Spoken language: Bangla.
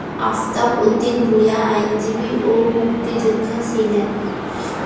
আফতাব উদ্দিন ভূঁইয়া আইনজীবী ও মুক্তিযোদ্ধা ছিলেন।